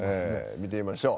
見てみましょう。